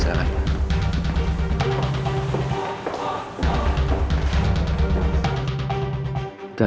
silahkan masuk ke ruangan pak al